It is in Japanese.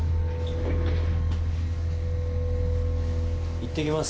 いってきます。